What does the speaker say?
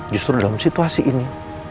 justru dalam situasi ini